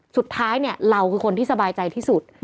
สุดท้ายเนี่ยเราคือคนที่สบายใจที่สุด